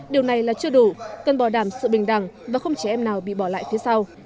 điều này là chưa đủ cần bỏ đảm sự bình đẳng và không trẻ em nào bị bỏ lại phía sau